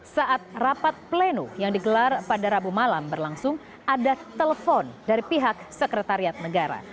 saat rapat pleno yang digelar pada rabu malam berlangsung ada telepon dari pihak sekretariat negara